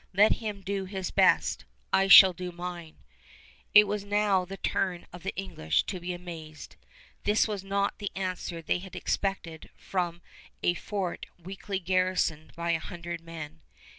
Let him do his best! I shall do mine!" It was now the turn of the English to be amazed. This was not the answer they had expected from a fort weakly garrisoned by a hundred men.